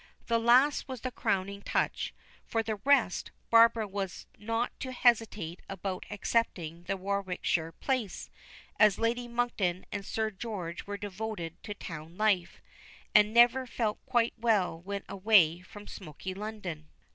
The last was the crowning touch. For the rest, Barbara was not to hesitate about accepting the Warwickshire place, as Lady Monkton and Sir George were devoted to town life, and never felt quite well when away from smoky London.